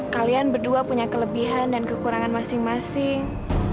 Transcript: kalian berdua punya kelebihan dan kekurangan masing masing